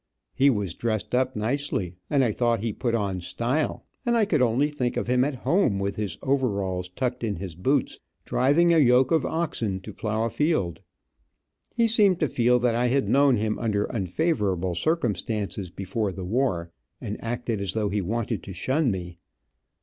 He was dressed up nicely, and I thought he put on style, and I could only think of him at home, with his overalls tucked in his boots, driving a yoke of oxen to plow a field. He seemed to feel that I had known him under unfavorable circumstances before the war, and acted as though he wanted to shun me.